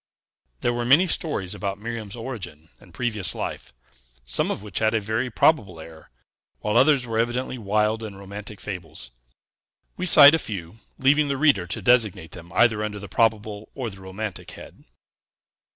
There were many stories about Miriam's origin and previous life, some of which had a very probable air, while others were evidently wild and romantic fables. We cite a few, leaving the reader to designate them either under the probable or the romantic head.